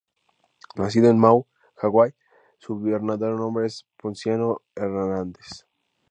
Nacido en Maui, Hawái, su verdadero nombre era Ponciano Hernandez.